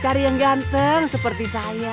cari yang ganteng seperti saya